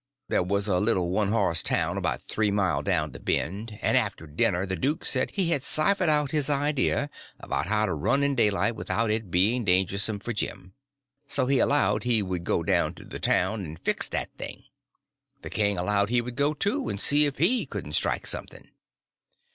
There was a little one horse town about three mile down the bend, and after dinner the duke said he had ciphered out his idea about how to run in daylight without it being dangersome for Jim; so he allowed he would go down to the town and fix that thing. The king allowed he would go, too, and see if he couldn't strike something.